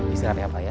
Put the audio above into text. istirahat ya pak